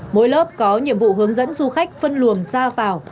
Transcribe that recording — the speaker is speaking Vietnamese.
mỗi lớp có nhiệm vụ hướng dẫn du khách phân luồng ra vào